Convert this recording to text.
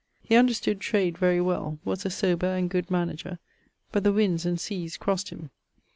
He understood trade very well, was a sober and good menager, but the winds and seas cross'd him.